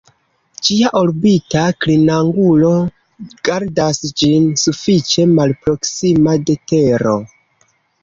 Ĝia orbita klinangulo gardas ĝin sufiĉe malproksima de Tero.